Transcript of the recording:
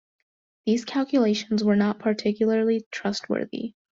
These calculations were not particularly trustworthy.